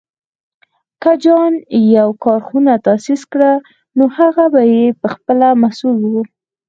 که جان يو کارخونه تاسيس کړه، نو هغه به یې پهخپله مسوول و.